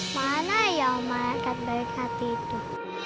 mana y'all mereka balik duit itu